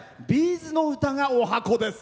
’ｚの歌がおはこです。